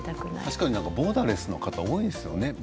確かにボーダーレスの方が多いですよね。